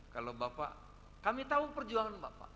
kalau bapak kami tahu perjuangan bapak